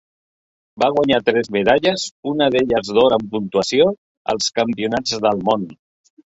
Va guanyar tres medalles, una d'elles d'or en puntuació, als Campionats del Món.